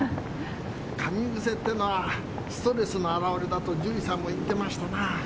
かみ癖ってのはストレスの表れだと獣医さんも言ってましたな。